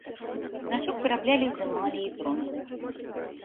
Значок выраблялі з эмалі і бронзы.